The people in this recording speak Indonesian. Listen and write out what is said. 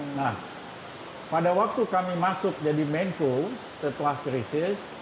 nah pada waktu kami masuk jadi menko setelah krisis